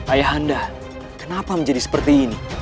ayah anda kenapa menjadi seperti ini